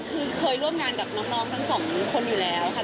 คือเคยร่วมงานกับน้องทั้งสองคนอยู่แล้วค่ะ